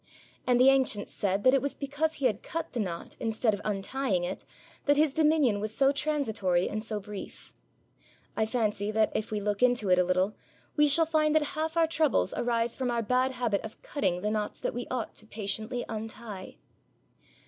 And the ancients said that it was because he had cut the knot instead of untying it that his dominion was so transitory and so brief. I fancy that, if we look into it a little, we shall find that half our troubles arise from our bad habit of cutting the knots that we ought to patiently untie.